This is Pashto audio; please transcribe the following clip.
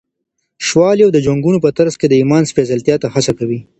شوالیو د جنگونو په ترڅ کي د ایمان سپېڅلتیا ته هڅه کوي.